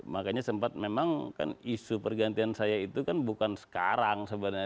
makanya sempat memang kan isu pergantian saya itu kan bukan sekarang sebenarnya